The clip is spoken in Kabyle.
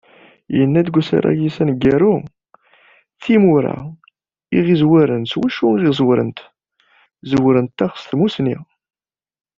Yenna deg usarag-is aneggaru: " Timura i aɣ-yezwaren, s wacu i aɣ-zwarent? Zwarent-aɣ s tmussni."